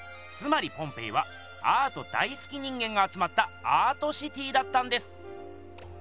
つまりポンペイはアート大すき人間があつまったアートシティーだったんです！